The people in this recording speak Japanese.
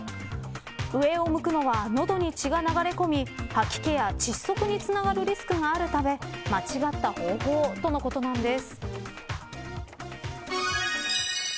上を向くのは、喉に血が流れ込み吐き気や窒息につながるリスクがあるため間違った方法とのことなんです。